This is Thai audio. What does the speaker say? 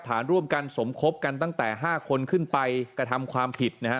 ฐานร่วมกันสมคบกันตั้งแต่๕คนขึ้นไปกระทำความผิดนะฮะ